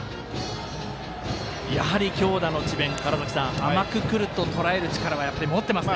強打の智弁、甘くくるととらえる力は持っていますね。